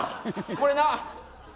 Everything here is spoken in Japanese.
これな。